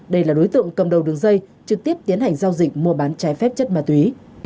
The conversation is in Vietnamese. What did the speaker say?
đây là đối tượng cầm đầu đường dây trực tiếp tiến hành giao dịch mua bán trái phép chất ma túy